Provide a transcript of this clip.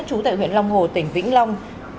trú tại huyện long hồ tỉnh vĩnh long